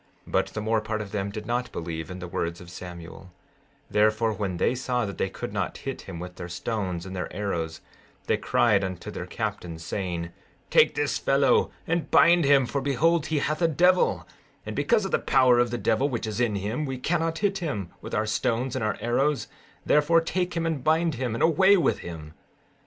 16:6 But the more part of them did not believe in the words of Samuel; therefore when they saw that they could not hit him with their stones and their arrows, they cried unto their captains, saying: Take this fellow and bind him, for behold he hath a devil; and because of the power of the devil which is in him we cannot hit him with our stones and our arrows; therefore take him and bind him, and away with him.